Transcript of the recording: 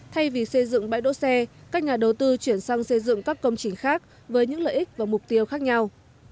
thay vì xây dựng bãi đỗ xe các nhà đầu tư chuyển sang xây dựng các công trình khác với những lợi ích và mục tiêu khác nhau